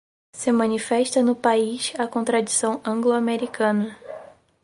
se manifesta no país a contradição anglo-americana